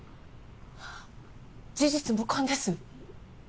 事実無根です。